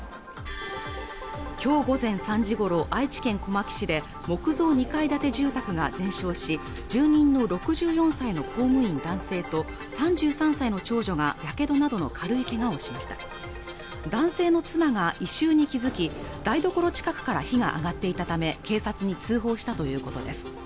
今日午前３時ごろ愛知県小牧市で木造２階建て住宅が全焼し住人の６４歳の公務員男性と３３歳の長女がやけどなどの軽いけがをしました男性の妻が異臭に気付き台所近くから火が上がっていたため警察に通報したということです